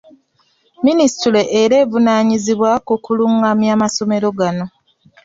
Minisitule era evunaanyizibwa ku kulungamya amasomero gano.